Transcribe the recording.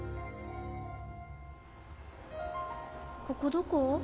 ここどこ？